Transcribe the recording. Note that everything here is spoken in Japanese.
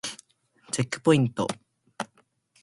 チェックポイント